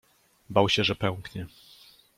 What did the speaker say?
Bał się, że pęknie.